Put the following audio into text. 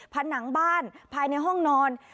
ผนังบ้านภายในห้องนอน